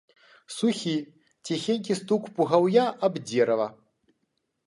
Сухі, ціхенькі стук пугаўя аб дзерава.